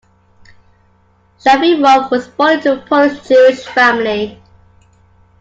Shafirov was born into a Polish Jewish family.